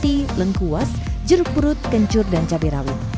kami mencoba dengan tepung putih lengkuas jeruk perut kencur dan cabai rawit